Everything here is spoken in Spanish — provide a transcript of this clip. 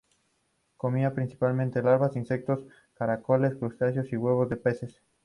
Comía principalmente larvas de insectos, caracoles, crustáceos y huevos de peces.